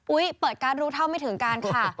เปิดการ์ดรู้เท่าไม่ถึงการค่ะ